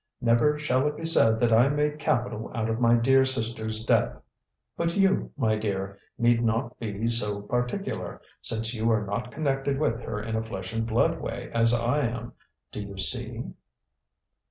Never shall it be said that I made capital out of my dear sister's death. But you, my dear, need not be so particular, since you are not connected with her in a flesh and blood way as I am. Do you see?"